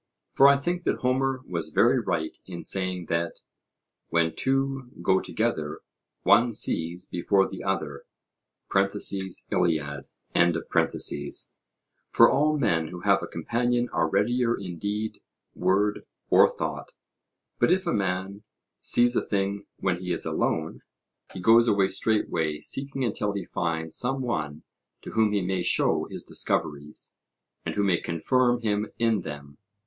For I think that Homer was very right in saying that 'When two go together, one sees before the other (Il.),' for all men who have a companion are readier in deed, word, or thought; but if a man 'Sees a thing when he is alone,' he goes about straightway seeking until he finds some one to whom he may show his discoveries, and who may confirm him in them.